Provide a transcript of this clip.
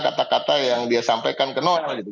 kata kata yang dia sampaikan ke noel